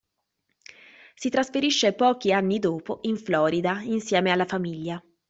Si trasferisce pochi anni dopo in Florida insieme alla famiglia.